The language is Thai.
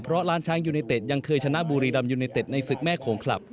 เพราะร้านช้างยูเนเต็ดยังเคยชนะบุรีรำยูเนเต็ดในศึกแม่โขงคลับ